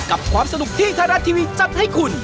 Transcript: กับความสนุกที่ไทยรัฐทีวีจัดให้คุณ